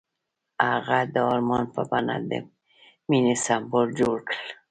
هغه د آرمان په بڼه د مینې سمبول جوړ کړ.